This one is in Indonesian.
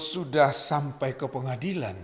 sudah sampai ke pengadilan